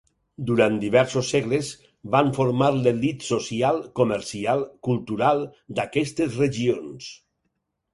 Durant diversos segles, van formar l'elit social, comercial, cultural d'aquestes regions.